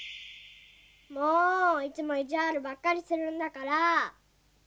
もういつもいじわるばっかりするんだから。